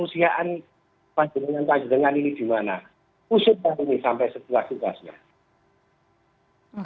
usutlah ini sampai setelah tugasnya